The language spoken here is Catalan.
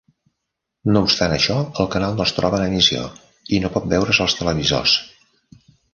No obstant això, el canal no es troba en emissió i no pot veure's als televisors.